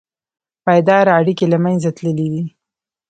پایداره اړیکې له منځه تللي دي.